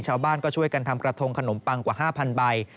ชาวบ้านก็ช่วยกันทำกระทงขนมปังกว่า๕๐๐ใบ